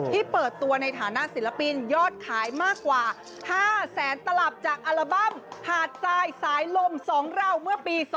เปิดตัวในฐานะศิลปินยอดขายมากกว่า๕แสนตลับจากอัลบั้มหาดทรายสายลม๒เราเมื่อปี๒๕๖